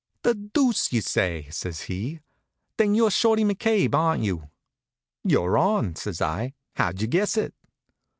"The deuce you say!" says he. "Then you're Shorty McCabe, aren't you?" "You're on," says I. "How'd you guess it?"